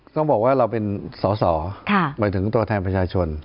ต้องบอกว่าเราเป็นสอสอหมายถึงตัวแทนประชาชน